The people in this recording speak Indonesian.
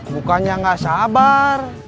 bukannya gak sabar